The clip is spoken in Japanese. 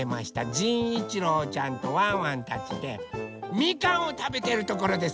じんいちろうちゃんとワンワンたちでみかんをたべているところです！